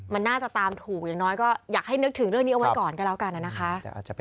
มันน่าจะตามถูกอย่างน้อยก็อยากให้นึกถึงเรื่องนี้เอาไว้ก่อนก็แล้วกันนะคะ